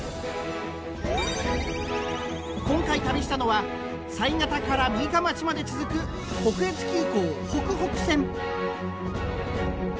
今回旅したのは犀潟から六日町まで続く北越急行ほくほく線。